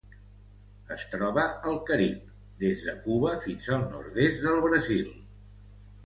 Es troba al Carib: des de Cuba fins al nord-est del Brasil.